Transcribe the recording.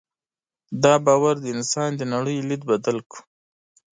دا باور د انسان د نړۍ لید بدل کړ.